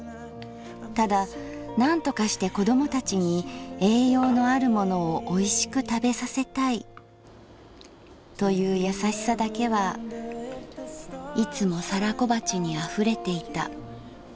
ただなんとかして子供たちに栄養のあるものをおいしく食べさせたいというやさしさだけはいつも皿小鉢に溢れていた」。